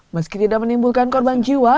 meski tidak menimbulkan korban jiwa